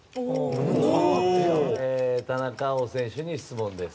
田中碧選手に質問です。